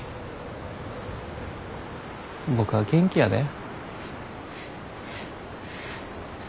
僕は元気やで。